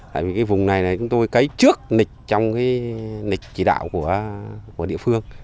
tại vì cái vùng này là chúng tôi cấy trước nịch trong cái nịch chỉ đạo của địa phương